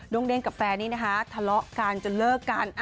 งเด้งกับแฟนนี้นะคะทะเลาะกันจนเลิกกัน